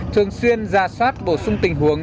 thường xuyên ra soát bổ sung tình huống